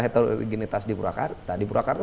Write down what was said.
heterogenitas di purwakarta di purwakarta